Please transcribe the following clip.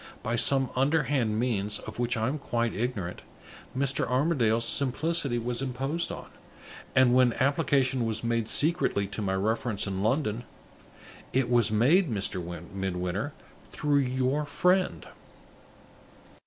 By some underhand means, of which I am quite ignorant, Mr. Armadale's simplicity was imposed on; and, when application was made secretly to my reference in London, it was made, Mr. Midwinter, through your friend."